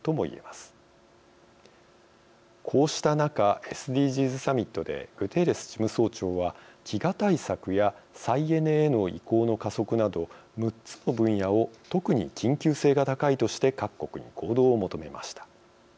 こうした中ＳＤＧｓサミットでグテーレス事務総長は飢餓対策や再エネへの移行の加速など６つの分野を特に緊急性が高いとして各国に行動を求めました。